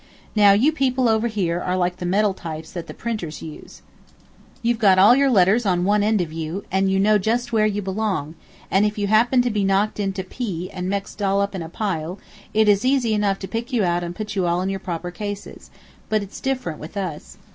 Now, you people over here are like the metal types that the printers use. You've all got your letters on one end of you, and you know just where you belong, and if you happen to be knocked into 'pi' and mixed all up in a pile it is easy enough to pick you out and put you all in your proper cases; but it's different with us.